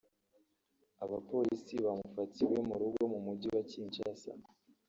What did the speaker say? Abapolisi bamufatiye iwe mu rugo mu Mujyi wa Kinshasa